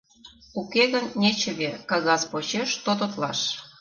Уке гын, нечыве кагаз почеш тототлаш».